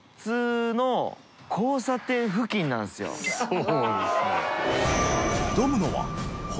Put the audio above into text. そうですね